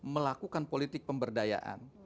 melakukan politik pemberdayaan